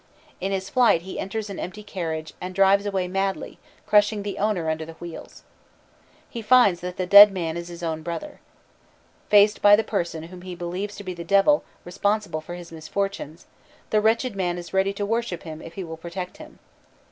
In his flight he enters an empty carriage, and drives away madly, crushing the owner under the wheels. He finds that the dead man is his own brother. Faced by the person whom he believes to be the Devil, responsible for his misfortunes, the wretched man is ready to worship him if he will protect him.